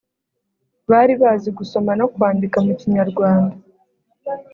bari bazi gusoma no kwandika mu kinyarwanda